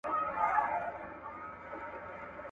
شکرباسي په قانع وي او خندیږي ,